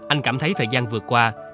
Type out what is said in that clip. anh cảm thấy thời gian vừa qua